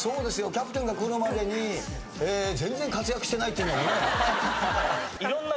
キャプテンが来るまでに全然活躍してないっていうのもね。